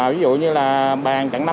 ví dụ như là bàn chặn năm k